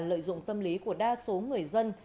lợi dụng tâm lý của đa số người dân